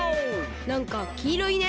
なんかきいろいね。